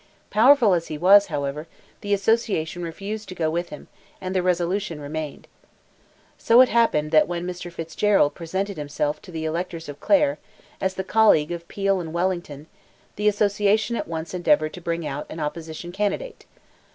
Powerful as he was, however, the Association refused to go with him, and the resolution remained. So it happened that when Mr. Fitzgerald presented himself to the electors of Clare, as the colleague of Peel and Wellington, the Association at once endeavoured to bring out an opposition candidate.